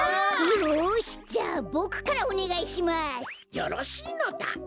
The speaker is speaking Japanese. よしじゃあボクからおねがいします！よろしいのだ！